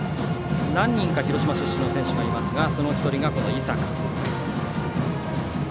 何人か広島出身の選手がいますがその１人が、この井坂。